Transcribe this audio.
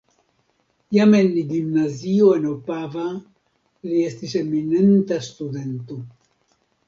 Jam en gimnazio en Opava li estis eminenta studento.